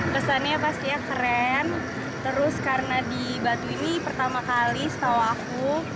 kesannya pasti ya keren terus karena di batu ini pertama kali setahu aku